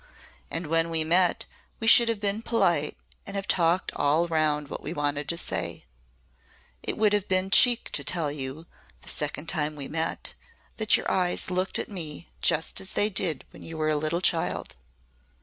And when we met we should have been polite and have talked all round what we wanted to say. It would have been cheek to tell you the second time we met that your eyes looked at me just as they did when you were a little child.